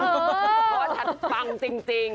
เพราะว่าฉันปังจริงจริง